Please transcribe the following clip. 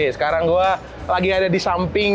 sekarang gue lagi ada di samping